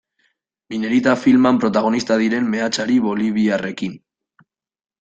Minerita filman protagonista diren meatzari boliviarrekin.